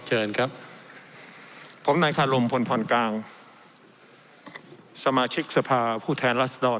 เชิญครับผมนายคารมพลพรกลางสมาชิกสภาผู้แทนรัศดร